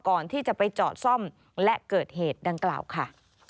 ก่อนที่จะไปจอดซ่อมและเกิดเหตุดังกล่าวค่ะ